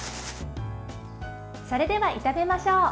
それでは炒めましょう。